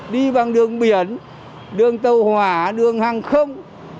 đi bằng đường biển đường tàu hỏa đường hàng không